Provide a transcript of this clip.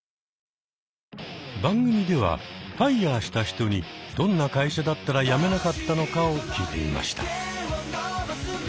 番組ではＦＩＲＥした人にどんな会社だったら辞めなかったのかを聞いてみました。